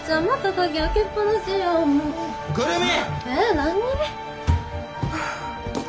何？